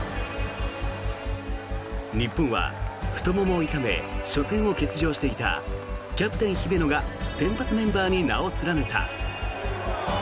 日本は、太ももを痛め初戦を欠場していたキャプテン、姫野が先発メンバーに名を連ねた。